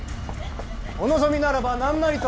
お望みならば何なりと！